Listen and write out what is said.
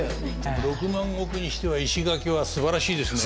６万石にしては石垣はすばらしいですもんね。